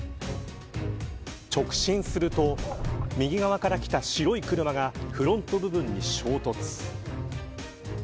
直進すると右側から来た白い車がフロント部分に衝突。